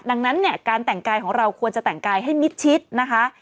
ดังนั้นเนี่ยการแต่งกายของเราควรจะแต่งกายให้มิดชิดนะคะ